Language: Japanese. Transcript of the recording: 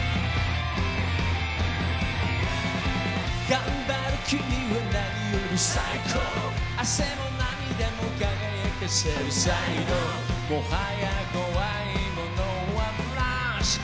頑張る君は何より最高汗も涙も輝かせる才能もはや怖いものは無しっ！